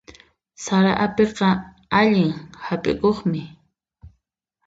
Sara apiqa allin hap'ikuqmi.